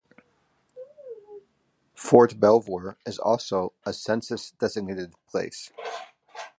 Fort Belvoir is also a census-designated place.